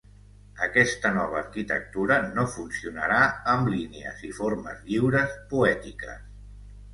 Aquesta nova arquitectura no funcionarà amb línies i formes lliures, poètiques.